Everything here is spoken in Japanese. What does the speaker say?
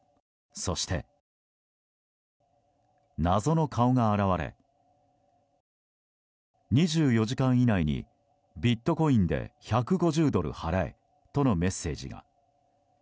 そして、謎の顔が現れ２４時間以内にビットコインで１５０ドル払えとのメッセージが。